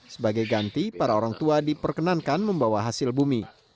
sebagai ganti para orang tua diperkenankan membawa hasil bumi